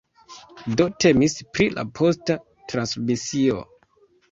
Do temis pri la posta transmisio.